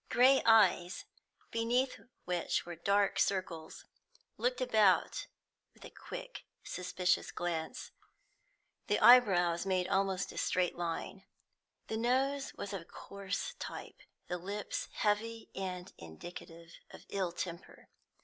Grey eyes, beneath which were dark circles, looked about with a quick, suspicious glance; the eye brows made almost a straight line. The nose was of a coarse type, the lips heavy and indicative of ill temper.